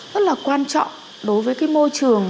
rất là quan trọng đối với cái môi trường